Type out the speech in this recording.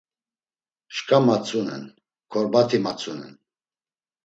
Şǩa matzunen, korbati matzunen.